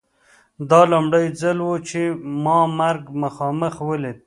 دا لومړی ځل و چې ما مرګ مخامخ ولید